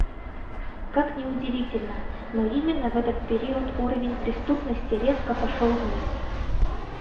Как ни удивительно, но именно в этот период уровень преступности резко пошел вниз.